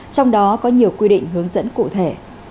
trong đó có nhiều quy định hướng dẫn cụ thể